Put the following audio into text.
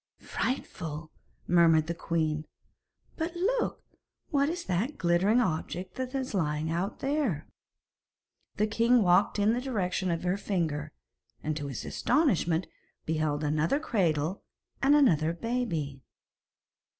'Frightful,' murmured the queen; 'but look, what is that glittering object that is lying out there?' The king walked in the direction of her finger, and to his astonishment beheld another cradle and another baby.